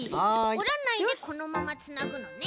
おらないでこのままつなぐのね。